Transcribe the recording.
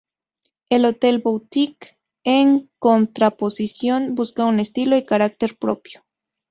El hotel "boutique", en contraposición, busca un estilo y carácter propio.